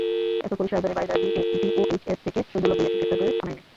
এরপর পুলিশ রাজধানীর বারিধারা ডিওএইচএস থেকে শহিদুল্লাহ ভূঁইয়াকে গ্রেপ্তার করে থানায় নেয়।